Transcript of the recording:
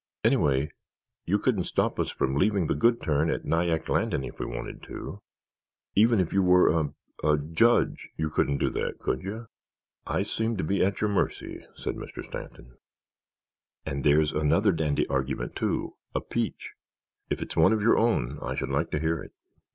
Anyway, you couldn't stop us from leaving the Good Turn at Nyack Landing if we wanted to. Even if you were a—a—judge, you couldn't do that, could you?" "I seem to be at your mercy," said Mr. Stanton. "And there's another dandy argument, too—a peach!" "If it's one of your own, I should like to hear it."